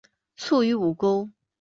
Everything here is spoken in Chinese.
卒于午沟。